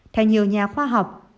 theo nhiều nhà khoa học